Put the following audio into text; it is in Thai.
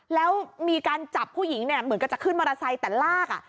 แล้วมีการจับผู้หญิงเนี่ยเหมือนกับจะขึ้นมอเตอร์ไซค์แต่ลากอ่ะ